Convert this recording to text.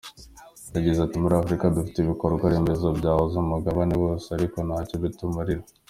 Yagize ati “Muri Afurika dufite ibikorwa remezo byahuza umugabane wose ariko ntacyo bitumarira.